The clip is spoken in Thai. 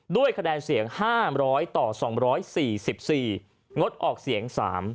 ด้วยคะแนนเสียง๕๐๐ต่อ๒๔๔งดออกเสียง๓